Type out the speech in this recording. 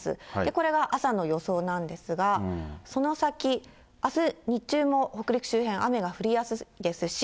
これが朝の予想なんですが、その先、あす日中も北陸周辺、雨が降りやすいですし。